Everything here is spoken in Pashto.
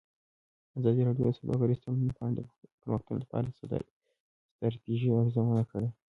ازادي راډیو د سوداګریز تړونونه په اړه د پرمختګ لپاره د ستراتیژۍ ارزونه کړې.